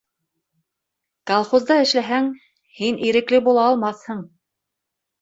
Колхозда эшләһәң, һин ирекле була алмаҫһың!